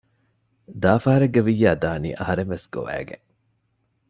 ދާ ފަހަރެއްގަ ވިއްޔާ ދާނީ އަހަރެންވެސް ގޮވައިގެން